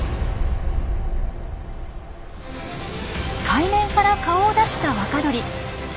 海面から顔を出した若鳥。